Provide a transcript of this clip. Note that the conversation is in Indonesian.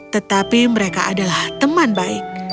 tetapi mereka adalah teman baik